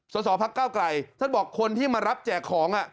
สสพักเก้าไกลท่านบอกคนที่มารับแจกของ